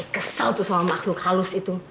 kesal tuh sama makhluk halus itu